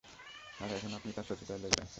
আর এখনো আপনি তার শত্রুতায় লেগে আছেন।